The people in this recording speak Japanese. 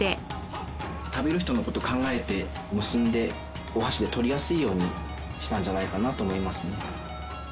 食べる人の事考えて結んでお箸で取りやすいようにしたんじゃないかなと思いますね。